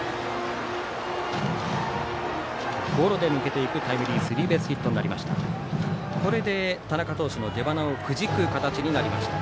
ゴロで抜けていくタイムリースリーベースヒットとなりました。